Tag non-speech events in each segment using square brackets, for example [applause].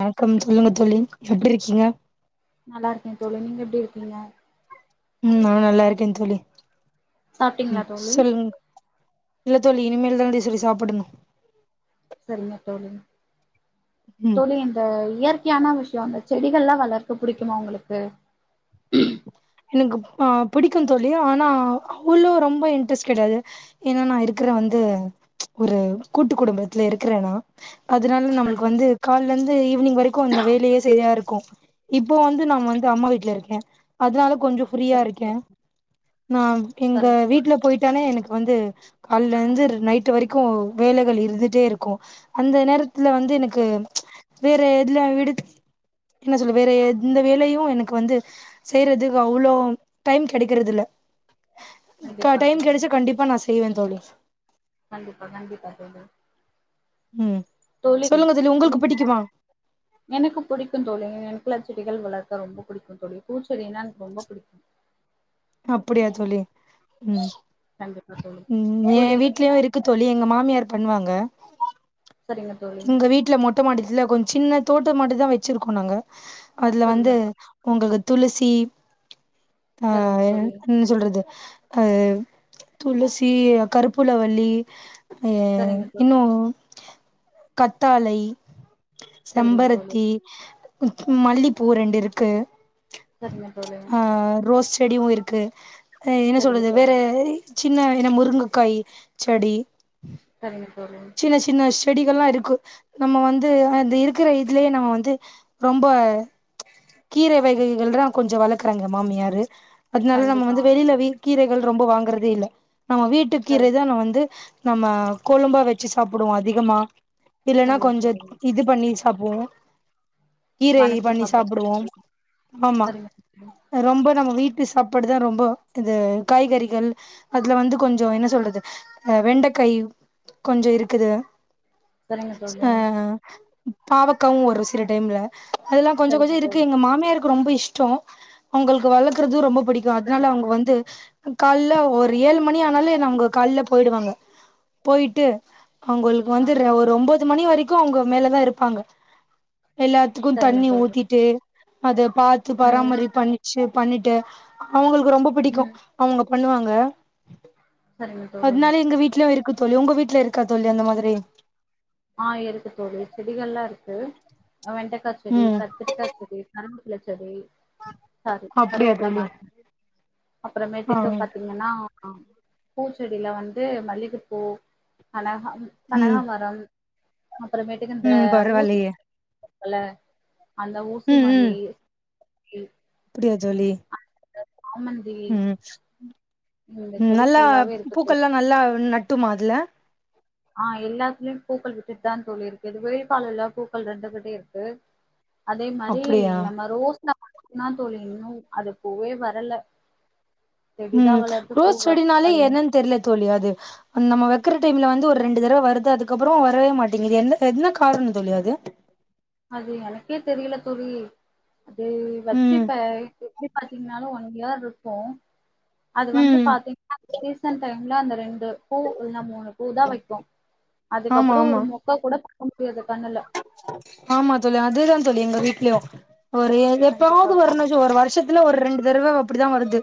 வணக்கம் சொல்லுங்க தோழி எப்டி இருக்கீங்க நல்லாருக்கே தோழி நீங்க எப்டி இருக்கீங்க ம் நா நல்லா இருக்கே தோழி சாப்ட்டீங்களா ம் தோழி சொல்லுங்க இல்ல தோழி இனிமேல் தாண்டி சொல்லி சாப்படணும் சரிங்க தோழி ம் தோழி இந்த இயற்க் கையான விஷயம் இந்த செடிகள்லா வளர்க்க புடிக்குமா உங்களுக்கு எனக்கு அ புடிக்கும் தோழி ஆனா அவளோ ரொம்ப இன்ட்ரெஸ்ட் கெடையாது ஏன்னா நா இருக்கற வந்து ஒரு கூட்டு குடும்பத்துல இருக்கற்றேனா அதனால நம்மளுக்கு சரிங்க வந்து கால்லிருந்து ஈவினிங் வரைக்கு இந்த வேலையே செரியா இருக்கும் இப்ப வந்து நாம் வந்து அம்மா வீட்ல இருக்கே அதனால கொஞ்ச ஃப்ரீயா சரிங்க இருக்கே தோழி நா எங்க சரிங்க தோழி வீட்டுல போயிட்டானே எனக்கு வந்து கால்லருந்து நைட்டு வரைக்கு வேலைகள் இருந்துட்டே இருக்கு அந்த நேரத் துல வந்து சரிங்க எனக்கு தோழி வேற இதுலயா விடு என்ன சொல்லு வேற எந்த வேலையு எனக்கு வந்து செய்யறதுக்கு அவ்ளோ டைம் கெடைக்கறது இல்ல க கண்டிப்பா டைம் தோழி கெடைச்சா கண்டிப்பா நா செ செய்வந்தோழி கண்டிப்பா கண்டிப்பா தோழி ம் தோழி சொல்லுங்க உங்களுக்கு நீங் பிடிக்குமா எனக்கு புடிக்கு தோழி எனக்குல்லா செடிகள் வளர்க்க ரொம்ப புடிக்கு தோழி பூச்செடின்னா எனக்கு ரொம்ப புடிக்கு அப்டியா தோழி ம் கண்டிப்பா தோழி ம் ஏ தோழி நீங்க வீட்லயு இருக் கு தோழி எங்க மாமியார் பண்ணுவாங்க சரிங்க தோழி எங்க வீட்டுல மொட் மொட்ட மாடித்துல கொஞ்ச சின்ன தோட்ட மாட்டு தா வெச்சிருக்கோ நாங்க அதுல சரிங்க வந்து தோழி ஒங்களுக்கு துளசி அ சரிங்க தோழி என்னனு சொல்றது அ துளசி கருப்பூலவல்லி அ சரிங்க தோழி இன்னு கத்தாழை சரிங்க தோழி செம்பருத்தி ம்கு மல்லிப்பூ ரெண்டு இருக்கு சரிங்க தோழி ஆ ரோஸ் செடியு இருக்கு அ என்ன சரிங்க சொல்றது தோழி வேறய் சின்ன என்ன முருங்கைக்காய் செடி சரிங்கத் தோழி சின்ன சின்ன செடிகள்லா இருக்கு நம்ம வந்து அந்த இருக்கிற இதுலயே நம்ம வந்து ரொம்ப கீரை வகைகள்லா கொஞ்சோ வளக்குறாங்க மாமியாரு அதனால நம்ம கண்டிப்பா வந்து வெளில வீ கீரைகள் ரொம்ப வாங்குறதே இல்ல நம்ம வீட்டு சரி கீரைதா நா வந்து நம்ம கொழம்பா வச்சு சாப்டுவோ அதிகமா இல்லன்னா சரிங்க கொஞ்சோ தோழி இது பண்ணி சாப்டுவோ கீரை வணக்கி பண்ணி சாப்டுங்க சாப்புடுவோம் ஆமா சரிங்க தோழி அ ரொம்ப நம்ம வீட்டு சாப்பாடு தா ரொம்ப இது காய்கறிகள் அதுல வந்து கொஞ்சோ என்ன சொல்றது அ வெண்டைக்கை கொஞ்சோ இருக்குது சரிங்க தோழி ஆ பாவக்காவு ஒரு சில டைம்ல அதெல்லா கொஞ்சோ சரிங்க கொஞ்சோ தோழி இருக்கு எங்க மாமியாருக்கு ரொம்ப இஷ்டோ அவங்களுக்கு வளக்கறது ரொம்ப பிடிக்கோ சரி அதனால அவங்க வந்து கால்ல ஒரு ஏழு மணி ஆனாலே நா அவங்க கால்ல போயிடுவாங்க போயிட்டு அவங்களுக்கு வந்து ஒரு ஒம்போது மணி வரைக்கு அவங்க மேலதா இருப்பாங்க எல்லா த்துக்கு சரிங்க தண்ணி தோழி ஊத்திட்டு அத பாத்து ம் பராமரிப்பு பண்ணி ச்சு பண்ணிட்டு அவங்களுக்கு ரொம்ப பிடிக்கு ம் அவங்க பண்ணுவாங்க சரிங்க தோழி அதனால எங்க வீட்லயு இருக்கு தோழி உங்க வீட்டுல இருக்கா தோழி அந்த மாதிரி ஆ இருக்கு தோழி செடிகள்லா இருக்கு அ வெண்டைக்கா செடி ம் கத்திரிக்கா செடி க [unintelligible] செடி சாரி அப்டியா கறிவேப்பில தோழி மரோ ஆ அப்புறமேட்டுக்க பாத்தி என்னனா பூச்செடியில வந்து மல்லிகைப்பூ கனகாம் ம் கனகாபரம் அப்புறமேட்டுக்கு இந்த ம் ஊசி [inaudible] பரவாயில்லையே இருக்குல்ல அந்த ஊசி ம் ம் மல்லி லி அப்டியா தோழி [unintelligible] ம் இந்த ம் செடி நல்லா ஃபுல்லாவே இருக்கு தோழி பூக்கள்லா நல்லா நட்டுமா அதுல ஆ எல்லாத்துலியு பூக்கள் விட்டுட்டுதா தோழி இருக்கு இது வெயில் காலல்ல பூக்கள் ரெண்டு கட்டயு இருக்கு அதே மாரி அப்டியா நம்ம ரோஸ்ல மட்டுதா தோழி இன்னு அதுப்பூவே வரல செடிதா ம் வளருது பூ ரோஸ் வரு செடினாலே அது என் என்னன்னு தெரில தோழி அது அது நம்ம வக்கிற டைம்ல வந்து ஒரு ரெண்டு தடவ வருது அதுக்கப்புறோ வரவே மாட்டேங்கிது எந்த என்ன காரணோ தோழி அது அது எனக்கே தெரியல தோழி அது ம் வச்சுப் ப எப்பிடி பாத்தீங்கன்னாலு ஒன் இயர் இருக்கு அது வந்து ம் பாத்தீங்கன்னா சீசன் டைம்ல அந்த ரெண்டு பூ இல்லனா மூணு பூ தா வைக்கு ஆமா அதுக்கப்புறோ ஆமா ஒரு மொ க்கு கூட பாக்க முடியாது கண்ணுல ஆமா தோழி அதேதா தோழி எங்க வீட்லயு ஒரே எப்பவாவுது கண்டிப்பா வரணு ஒரு வருஷத்துல ஒரு ரெண்டு தரவ அப்பிடிதா வருது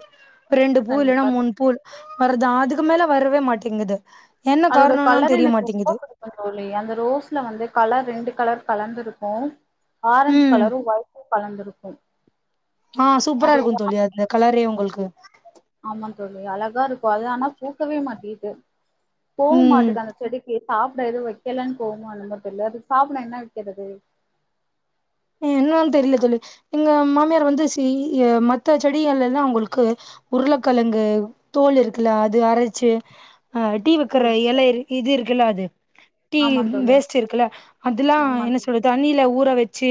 ரெண்டு பூ இல்லேன்னா கண்டிப்பா மூணு பூவு வருதா அதுக்கு மேல வரவே மாட்டேங்கிது என்ன காரணோனு தெரியமாட்டேங்கிது ஆமா தோழி அந்த ரோஸ்ல வந்து கலர் ரெண்டு கலர் கலந்துருக்கு ஆரஞ்ச் ம் கலரு ஒயிட்டு கலந்துருக்கு ஆ சூப்பரா அது இருக்கு ஒரு தோழி அந்த கலரே உங்களுக்கு ஆமா தோழி அழகா இருக்கு அது ஆனா பூக்கவே மாட்டிக்கிது போவு ம் மாட்டுக்கு அந்த செடிக்கி சாப்ட எதுவு வெக்கலன்னு கோவமோ என்னமோ தெரில அது சாப்ட என்ன வைக்கிறது என்னானு தெரியல தோழி எங்க மாமியார் வந்து சி இ எ மத்த செடிகள் எல்லா அவுங்களுக்கு உருளக்கெழங்கு தோல் இருக்குல அது அரைச்சு ஆ டீ வைக்கற சொல்லுங்க. எழ இது இருக்குல்ல அது டீ ஆமா தோழி. வேஸ்ட் இருக்குல்ல அதெல்லா ஆமா என்ன தோழி. சொல்றது தண்ணில ஊற வச்சு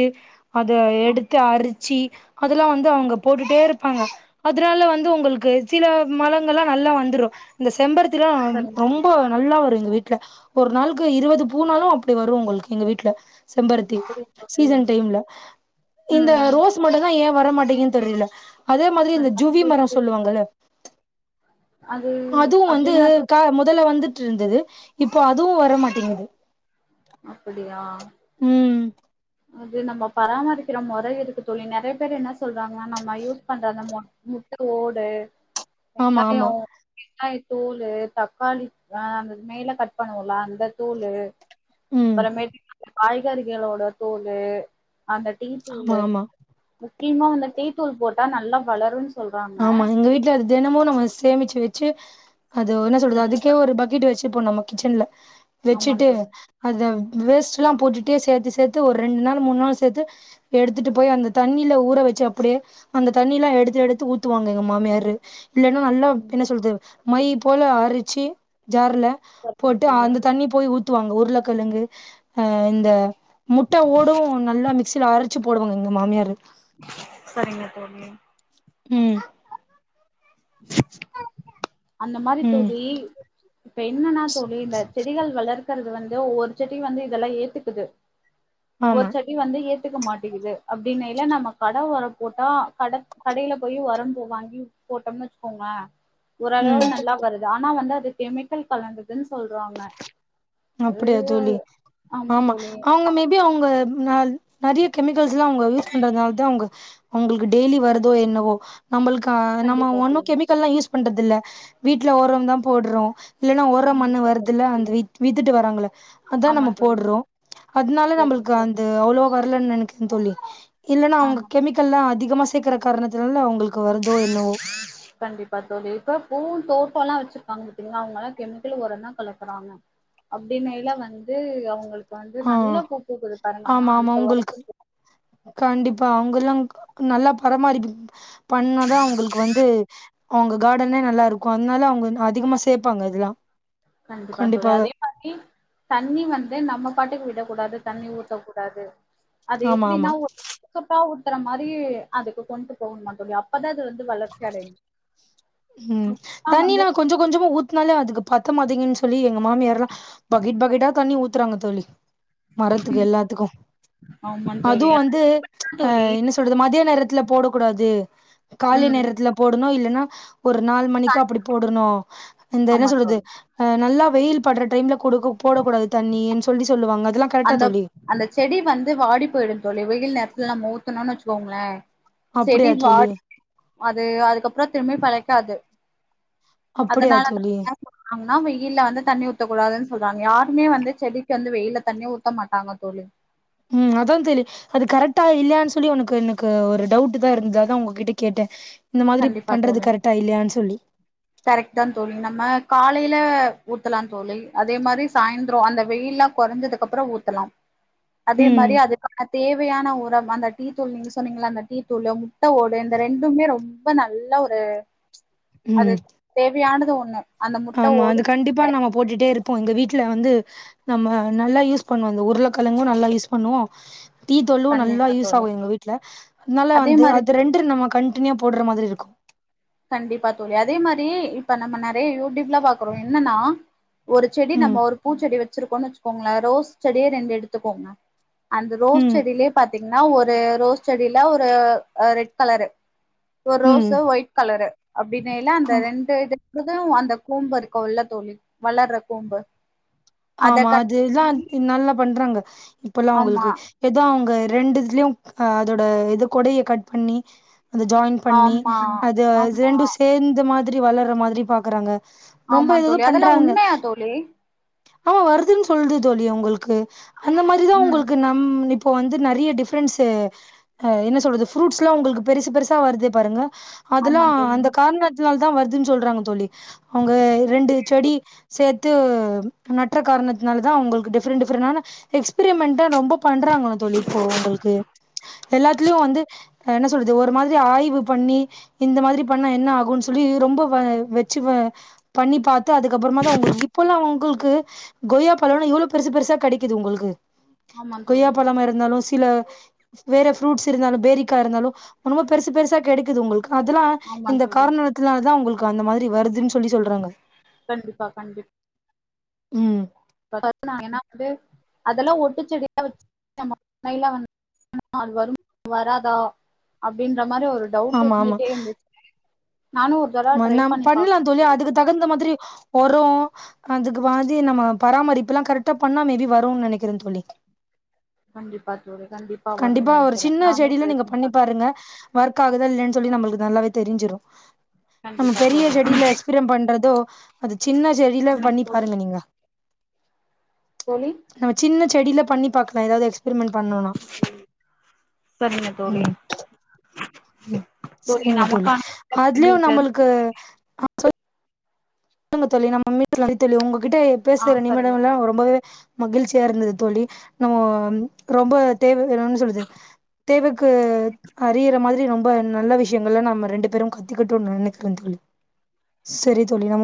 அத ஆமா எடுத்து அரிச்சு அதெல்லா வந்து அவங்க போட்டுட்டே இருப்பாங்க அதனால வந்து உங்களுக்கு சில மலங்கல்லா நல்லா வந்துரு இந்த செம்பருத்தில்லா சரிங்க தோழி. ரொம்போ நல்லா வரு எங்க வீட்ல ஒரு நாளுக்கு இருவது பூனாலு அப்டி வரு உங்களுக்கு எங்க வீட்ல செம்பருத்தி அப்படியா தோழி? சீசன் டைம்ல இந்த ம். ரோஸ் மட்டு தா ஏ வரமாட்டேங்கிது தெரில அதே மாதிரி இந்த அதான் ஜூவ்வி தோழி மரோ தெரியல. சொல்லுவாங்கல அது அதுவு வந்து அப்படின்னா தோழி கா முதல்ல வந்துட்டுருந்தது இப்போ அதுவு வரமாட்டேங்குது அப்படியா ம் அது நம்ம பராமரிக்கிற மொற இருக்கு தோழி நறைய பேர் என்ன சொல்றாங்கன்னா நம்ம யூஸ் பண்றத நம்மோ முட்ட ஓடு ஆமா வெங்காயோ ஆமா வெங்காயத் தோலு தக்காளி அ அந்த மேல கட் பண்ணுவோல்ல அந்த தோலு ம் அப்புறமேட்டு காய்கறிகளோட தோலு அந்த டீ ஆமா தூளு ஆமா முக்கியமா அந்த டீ தூள் போட்டா நல்லா வளருன் ஆமாங்க எங்க வீட்ல அது தெனமு அத நம்ம சேமிச்சு வச்சு அது என்ன சொல்றது அதுக்கே ஒரு பக்கெட் வச்சுப்போ நம்ம கிச்சன்ல ஆமா வெச்சுட்டு தோழி அத வேஸ்ட்ல்லா போட்டுட்டு சேத்து சேத்து ஒரு ரெண்டு நாள் மூணு நாள் சேத்து எடுத்துட்டு போய் அந்த தண்ணில ஊற வச்சு அப்டியே அந்த தண்ணில்லா எடுத்து எடுத்து ஊத் துவாங்க எங்க மாமியரு இல்லேன்னா நல்லா என்ன சொல்து மை போல அரச்சு ஜார்ல சரிங்க போட்டு தோழி அந்த தண்ணி போய் ஊத்துவாங்க உருளக்கெழங்கு அ இந்த முட்ட ஓடு நல்லா மிக்சியில அரைச்சு போடுவாங்க எங்க மாமியாரு செரிங்க தோழி ம் அந்த மாரி ம் தோழி இப்ப என்னன்னா தோழி இந்த செடிகள் வளர் கறது வந்து ஒவ்வொரு செடி வந்து இதெல்லா ஏத்துக்குது ஒவ்வொரு ஆமா செடி டி வந்து ஏத்துக்க மாட்டேங்குது அப்டின்னேல்ல நம்ம கட உர போட்டா கட கடேயில போய் உரம் வாங்கி போட்டோம்னு வச்சுக்கோங்கலே ஓரளவு ம் நல்லா வருது ஆனா வந்து அது கெமிக்கல் கலந்ததுன் சொல்றாங்க அது அப்டியா தோழி ஆமா அவுங்க மேபி அவுங்க நல் நெறய கெமிக்கல்ஸ்லா அவுங்க யூஸ் பண்றதுனால தா அவுங்க அவுங்களுக்கு டெய்லி வருதோ என்னவோ நம்மளுக்கு அ நம்ம கண்டிப்பா ஒன்னு தோழி கெமிக்கல்லா யூஸ் பண்றது இல்ல வீட்ல ஒரம் தா போட்றோ இல்லன்னா ஒர மண்ணு கண்டிப்பா தோழி வருதுல்ல அந்த வித் வித்துட்டு வராங்கள அதா ஆமா நம்ம தோழி போட்றோ அதனால சரிங்க நம்மளுக்கு தோழி அந்த அவ்ளோவா வரலன்னு நெனைக்குறே தோழி இல்லன்னா அவுங்க ஆமா கெமிக்கல்லா அதிகமா சேக்குற காரணத்துனால அவுங்களுக்கு வருதோ என்னவோ கண்டிப்பா தோழி இப்ப பூந் தோட்டோல்லா வச்சுருக்காங்க பாத்தீங்கன்னா அவுங்கல்லா கெமிக்கல் ஒரம் தா கலக்குறாங்க அப்டினேல வந்து அவங்களுக்கு வந்து ஆ நல்ல பூ பூக்குது பாருங்க அதா ஆமா ஆமா அந்த உங்களுக்கு உரத்துக்கு கண்டிப்பா அவுங்கல்லா நல்லா பராமரிப்பு பண்ணாதா அவுங்களுக்கு வந்து அவுங்க கார்டனே நல்லா இருக்கு அதனால அவுங்க அதிகமா சேப்பாங்க இதெல்லா கண்டிப்பா தோழி கண்டிப்பாக அதே தண்ணி வந்து நம்ம பாட்டுக்கு விடக்கூடாது தண்ணி ஊத்தக் கூடாது அது ஆமா எப்டின்னா ஆமா சொட்டு சொட்டா உத்துற மாதிரி அதுக்கு கொண்டு போணுமா தோழி அப்பதா அது வந்து வந்து வளர்ச்சி அடையு ஆ வந்து கொஞ்சோ கொஞ்சோமா ஊத்னாலே அதுக்கு பத்த மாடேங்குனு சொல்லி எங்க மாமியார்லா பக்கெட் பக்கெட்டா தண்ணி ஊத்துறாங்க தோழி மரத்துக்கு எல்லாத்துக்கு ஆமா தோழி அதுவு வந்து ஆனா அ தோழி என்ன சொ ல்றது மதிய நேரத்துல போடக் கூடாது காலை ம் நேரத்துல போடணு இல்லன்னா ஒரு நாலு மணிக்கா அப்டி போடணு இந்த என்ன ஆமா சொல்றது தோழி நல்லா வெயில் பட்ற டைம்ல கொடுக்க போடக் கூடாது தண்ணி சொல்லி சொல்லுவாங்க அதுல்லா அந்தப் அந்த செடி வந்து வாடி போயடு தோழி வெயில் நேரத்துல நம்ம ஊத்தணோம்னு வெச்சுக்கோங்களே செடி அப்டியா தோழி வாடி அது அதுக்கப்றோ திரும்பியு பிழைக்காது அப்டியா அதனால தோழி அ [unintelligible] னா வெயில்ல வந்து தண்ணி ஊத்தக்க கூடாதுன்னு சொல்றாங்க யாருமே வந்து செடிக்கு வந்து வெயில்ல தண்ணி ஊத்த மாட்டாங்க தோழி ம் அதாந் தோழி அது கரெக்ட்டா இல்லயானு சொல்லி உனக்கு எனக்கு ஒரு டவுட் தா இருந்தது அதா உங்ககிட்ட கேட்டே இந்த மாதிரி கண்டிப்பா பண்றது தோழி கரெக்டா இல்லயானு சொல்லி கரெக்ட் தா தோழி நம்ம காலைல ஊத்தலா தோழி அதே மாரி சாயந்தரோ அந்த வெயில்ல குறைஞ்சதுக்கப்றோ ஊத்தலாம் அதே ம் மாரி அது தேவையான உரம் அந்த டீ தூள் நீங்க சொன்னீங்கள அந்த டீ தூள் முட்ட ஓடு இந்த ரெண்டுமே ரொம் ப நல்ல ஒரு அது ம் தேவையானது ஒண்ணு அந்த முட்ட ஆமா ஓடு அது கண்டிப்பா நாம போட்டுட்டே இருப்போ எங்க வீட்ல வந்து நம்ம நல்லா யூஸ் பண்ணுவோ அந்த உருளக்கிழங்கு நல்லா யூஸ் பண்ணுவோ டீத்தூளு நல்லா கண்டிப்பா யூஸ் ஆகு தோழி எங்க வீட்டுல அதனால அதே வந்து மாரி அது ரெண்டு தோழி நம்ம கண்டினியூவா போட்ற மாரிருக்கு கண்டிப்பா தோழி அதே மாரி நம்ம நெறய யூ டியூப்ல பாக்குறோ என்னன்னா ஒரு செடி ம் நம்ம ஒரு பூச்செடி வச்சிருக்கோன்னு வச்சுக்கோங்களே ரோஸ் செடியே ரெண்டு எடுத்துக்கோங்க அந்த ரோஸ் ம் செடிலே பாத்தீங்கன்னா ஒரு ரோஸ் செடில ஒரு அ ரெட் கலரு ஒரு ரோஸ் ம் ஒயிட் கலரு அப்டிங்கையில ஆ அந்த ரெண்டு இது துதா அந்த கோம்பு இருக்கு இல்ல தோழி வளர்ற கோம்பு ஆமா அதுல்லா நல்லா பண்றாங்க இப்பல்லா ஆமா அவுங்ளுக்கு எதோ அவுங்க ரெண்டுதுலயு அதோட இத கொடைய கட் பண்ணி அந்த ஜாயிண் பண்ணி ஆமா அது ஆமா ரெண்டு சேந்த மாதிரி வளர்ற மாதிரி பாக்கறாங்க ரொம்ப ஆமா ஏதேதோ தோழி அதெல்லா பண்றாங்க உண்மையா தோழி ஆமா வருதுன்னு சொல்லுது தோழி அவங்களுக்கு அந்த மாரிதா ம் உங்ளுக்கு நா ம் இப்ப வந்து நெறைய டிஃப்ரென்ஸ்சு அ என்ன சொல்றது ஃப்ரூட்ஸ்லா உங்களுக்கு பெருசு பெருசா வருது பாருங்க அதெல்லா ஆமா தோழி அந்த காரணத் னால தா வருதுன்னு சொல்றாங்க தோழி அவுங்க ரெண்டு செடி சேத்து நட்ற காரணத்தினால தா உங்களுக்கு டிப்ரெண்ட் டிஃப்ரெண்டான எக்ஸ்பிரிமெண்ட்டே ரொம்போ பண்றாங்களா தோழி இப்போ உங்களுக்கு எல்லாத்துலயு வந்து என்ன சொல்றது ஒரு மாதிரி ஆய்வு பண்ணி இந்த மாதிரி பண்ணா என்ன ஆகுன்னு சொல்லி ரொம்ப வ வெச்சு வா பண்ணி பாத்து அதுக்கப்புறமா தா உங்களுக்கு இப்பல்லா உங்குளுக் கொய்யா பழோல்லா எவ்ளோ பெருசு பெருசா கெடைக்குது உங்குளுக்கு ஆமா கொய்யா தோழி பழமா இருந்தாலு சில வேற ஃப்ரூட்ஸ் இருந்தாலு பேரிக்கா இருந்தாலு ரொம்ப பெருசு பெருசா கிடைக்குது உங்குள்க்கு அதல்லா ஆமா இந்த தோழி காரணித்தினால தா உங்களுக்கு அந்த மாதிரி வருதுன்னு சொல்லி சொல்றாங்க கண்டிப்பா கண்டிப் ம் ஃபஸ்ட்டு நாங்க என்னா வந்து அதெல்லா ஒட்டு செடியா வெச்சு நம்ம ண்ணைல வந்துட் அது வருமா வராத அப்டின்ற மாதிரி ஒரு டவுட் ஆமா இருந்துட்டே இருந்துச்சி நானு ஒரு தடவ ட்ரை மண்னாம் பண்ணி பண்லா பாக்கணு தோழி அதுக்கு தகுந்த மாதிரி உரோ அதுக்கு வாஞ்சி நம்ம பராமரிப்புல்லா கரெக்டா பண்ண மேபி வருன்னு நெனைக்கிறே தோழி கண்டிப்பா தோழி கண்டிப் கண்டிப்பா ஒரு சின்ன செடியில நீங்க பண்ணி பாருங்க ஒர்க் ஆகுதா இல்யான் சொல்லி நம்புளுக் நல்லாவே தெரிஞ்சிரு நம்ம கண்டிப்பா பெரிய தோழி செடில எக்ஸ்பிரிம் பண்றதோ அது சின்ன செடிலே என்னங்க பண்ணி தோழி பாருங்க நீங்க தோழி நம்ம சின்ன செடில பண்ணி பாக்லா எதாவ்து எக்ஸ்பிரிமெண்ட் பண்ணுனா ம் சரிங்க தோழி ம் சரிங்க தோழி அதில்யு நம்பளுக்கு ட்டுருங்க தோழி நம்ம [unintelligible] உங்குகிட்ட பேசுற ஆ சரிங்க நிமிடம் எல்லா ரொம்பவே மகிழ்ச்சியா இருந்தது தோழி நம்மொ ரொம்ப தேவ வேணூன் சொல்லுது தேவக்கு அறியிற மாதிரி ரொம் ப நல்ல விஷ்யங்கள்ல நம்ம ரெண்டு பேரும் கத்துக்கிட்டோன் நெனக்கிற தோழி சரி தோழி நம்மு